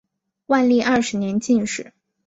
万历二十年进士。